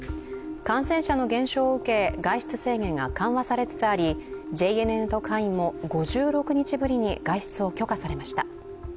感染者の減少を受け外出制限が緩和されつつあり、ＪＮＮ特派員も５６日ぶりに外出を許可されました。